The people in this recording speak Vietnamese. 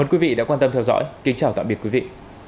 quý vị đã quan tâm theo dõi kính chào tạm biệt quý vị